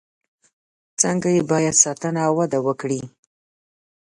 څنګه یې باید ساتنه او وده وکړي.